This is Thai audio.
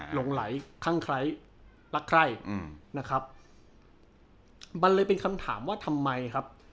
หลงไหลข้างใครรักใครอืมนะครับมันเลยเป็นคำถามว่าทำไมครับ